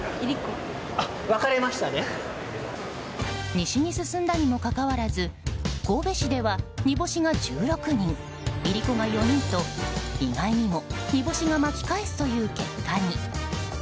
西に進んだにもかかわらず神戸市では、煮干しが１６人いりこが４人と、意外にも煮干しが巻き返すという結果に。